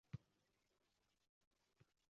So’ngra go’dak…